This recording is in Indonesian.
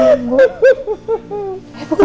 ya ampun gue